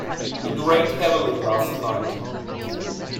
It rained heavily last night.